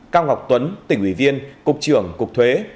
cao ngọc tuấn tỉnh ủy viên cục trưởng cục thuế